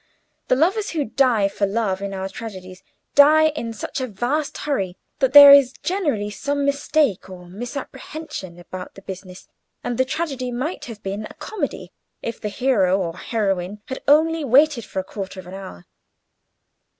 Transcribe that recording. The lovers who die for love in our tragedies die in such a vast hurry that there is generally some mistake or misapprehension about the business, and the tragedy might have been a comedy if the hero or heroine had only waited for a quarter of an hour.